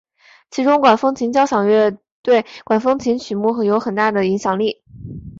其中管风琴交响乐对管风琴曲目有很大的影响力。